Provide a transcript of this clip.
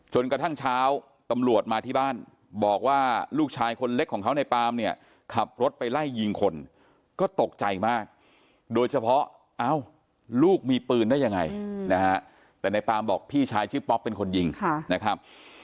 กระทั่งเช้าตำรวจมาที่บ้านบอกว่าลูกชายคนเล็กของเขาในปามเนี่ยขับรถไปไล่ยิงคนก็ตกใจมากโดยเฉพาะเอ้าลูกมีปืนได้ยังไงนะฮะแต่ในปามบอกพี่ชายชื่อป๊อปเป็นคนยิงนะครับ